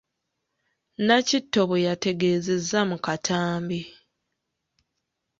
Nakitto bwe yategeezezza mu katambi.